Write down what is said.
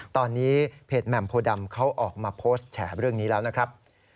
ตอนนี้เพจแหม่มโพดำเขาออกมาโพสต์แฉเรื่องนี้แล้วนะครับ